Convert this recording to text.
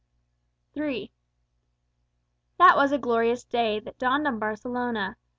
III That was a glorious day That dawned on Barcelona.